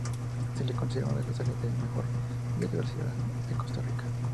Se le considera una de las áreas de mayor biodiversidad de Costa Rica.